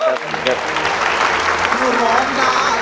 เพื่อนร้องได้ให้ร้าง